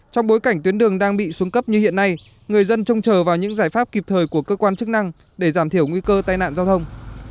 trong bối cảnh tuyến đường đang bị xuống cấp như hiện nay người dân trông chờ vào những giải pháp kịp thời của cơ quan chức năng để giảm thiểu nguy cơ tai nạn giao thông